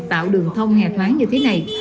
tạo đường thông hè thoáng như thế này